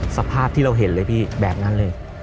สภาพที่เราเห็นเลยพี่แบบนั้นเลย